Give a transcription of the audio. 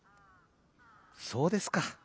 「そうですか。